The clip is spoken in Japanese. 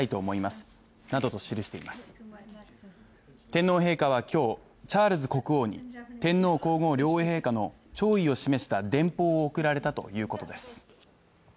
天皇陛下はきょうチャールズ国王に天皇皇后両陛下の弔意を示した電報を送られたということです